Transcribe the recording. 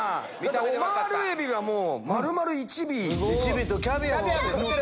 オマールエビが丸々１尾！